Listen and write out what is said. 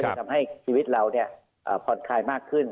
ก็จะทำให้ชีวิตเราฟอนคายมากขึ้น